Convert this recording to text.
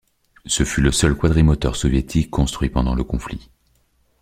Ce fut le seul quadrimoteur soviétique construit pendant le conflit.